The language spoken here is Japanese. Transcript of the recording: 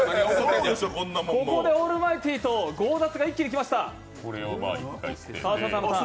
ここでオールマイティーと強奪が一気にきました。